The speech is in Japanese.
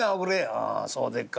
「ああそうでっか。